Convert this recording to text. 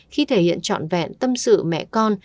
khi thể hiện trọn vẹn tâm sự mẹ con